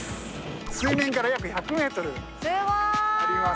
水面から約１００メートルあります。